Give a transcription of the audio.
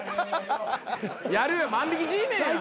やるよ万引Ｇメンやん。